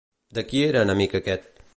De qui era enemic aquest?